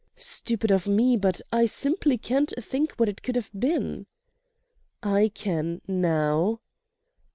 "Stupid of me, but I simply can't think what it could have been." "I can—now."